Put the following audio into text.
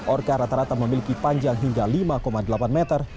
orka rata rata memiliki panjang hingga lima delapan meter